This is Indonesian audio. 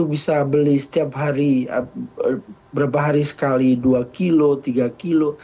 bisa beli setiap hari berapa hari sekali dua kilo tiga kilo